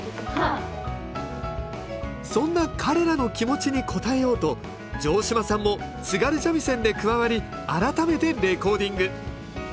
そんな彼らの気持ちに応えようと城島さんも津軽三味線で加わり改めてレコーディング。